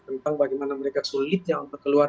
tentang bagaimana mereka sulitnya untuk keluar